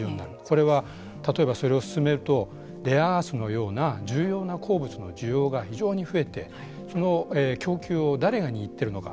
それは、例えばそれを進めるとレアアースのような重要な鉱物の需要が非常に増えてその供給を誰が握っているのか。